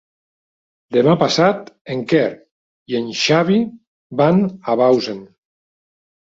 Demà passat en Quer i en Xavi van a Bausen.